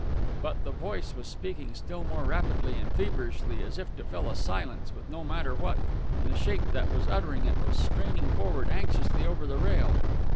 _" But the voice was speaking still more rapidly and feverishly, as if to fill a silence with no matter what, and the shape that was uttering it was straining forward anxiously over the rail.